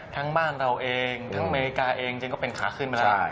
ทั้งบ้านเราเองทั้งอเมริกาเองจริงก็เป็นขาขึ้นมาแล้ว